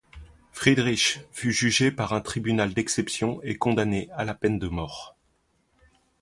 Friedrich fut jugé par un tribunal d'exception et condamné à la peine de mort.